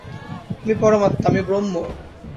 আমি পরমাত্মা, আমি ব্রহ্ম।